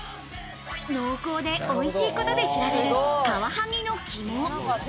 濃厚で、おいしいことで知られるカワハギの肝。